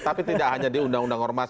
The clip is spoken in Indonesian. tapi tidak hanya di undang undang ormas